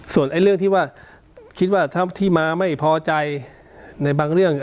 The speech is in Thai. ส่วนเรื่องที่ว่าคิดว่าถ้าที่มาไม่พอใจในบางเรื่อง